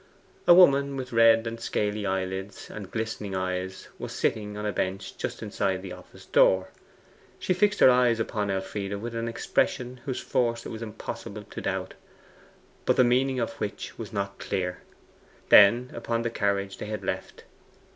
A woman with red and scaly eyelids and glistening eyes was sitting on a bench just inside the office door. She fixed her eyes upon Elfride with an expression whose force it was impossible to doubt, but the meaning of which was not clear; then upon the carriage they had left.